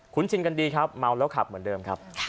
คุณชินกันดีครับเมาแล้วขับเหมือนเดิมครับ